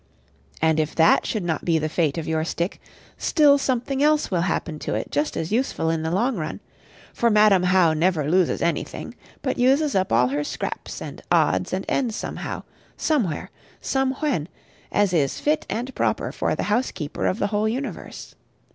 And if that should not be the fate of your stick, still something else will happen to it just as useful in the long run; for Madam How never loses anything, but uses up all her scraps and odds and ends somehow, somewhere, somewhen, as is fit and proper for the Housekeeper of the whole Universe.